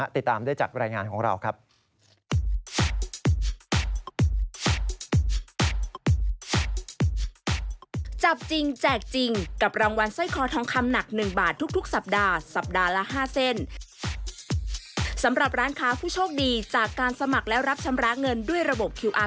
ติดตามได้จากรายงานของเราครับ